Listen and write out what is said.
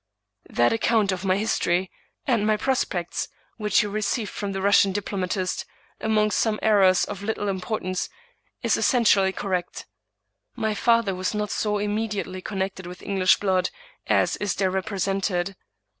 " That account of my history, and my prospects, which you received from the Russian diplomatist, among some er rors of little importance, is essentially correct. My father was not so immediately connected with English blood as is there represented.